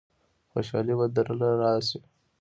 خوشالۍ به درله رايشي.